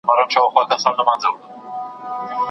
ایا د ماشومانو لپاره د کتاب لوستلو عادت یو لوی بریا ده؟